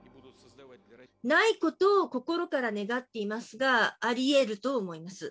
ないことを心から願っていますが、ありえると思います。